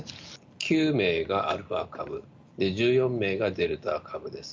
９名がアルファ株、１４名がデルタ株です。